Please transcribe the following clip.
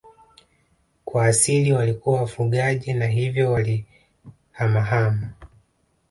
Kwa asili walikuwa wafugaji na hivyo walihamahama